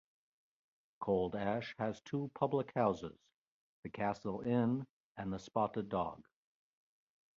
Cold Ash has two public houses, the Castle Inn and the Spotted Dog.